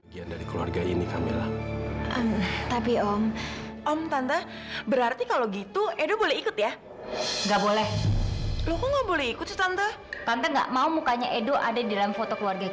sampai jumpa di video selanjutnya